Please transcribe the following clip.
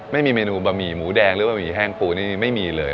ไม่มีเมนูบะหมี่หมูแดงหรือบะหมี่แห้งปูนี่ไม่มีเลย